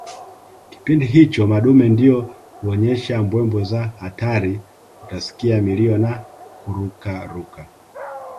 Kipindi hicho madume ndio huonyesha mbwembwe za hatari utasikia milio na kurukaruka